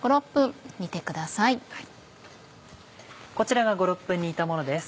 こちらが５６分煮たものです。